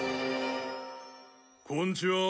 こんちは。